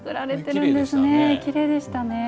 きれいでしたね。